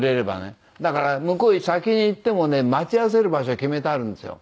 だから向こうへ先に行ってもね待ち合わせる場所を決めてあるんですよ。